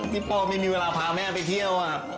ที่พ่อไม่มีเวลาพาแม่ไปเที่ยว